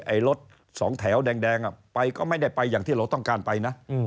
ไอ้รถสองแถวแดงไปก็ไม่ได้ไปอย่างที่เราต้องการไปนะ